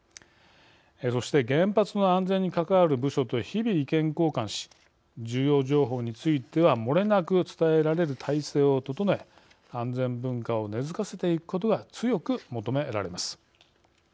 そして原発の安全に関わる部署と日々意見交換し重要情報については漏れなく伝えられる体制を整え安全文化を根付かせていくことが強く求められます。